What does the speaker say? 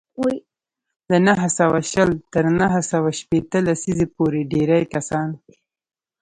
له نهه سوه شل تر نهه سوه شپېته لسیزې پورې ډېری کسان